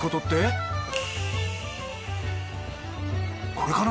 これかな！？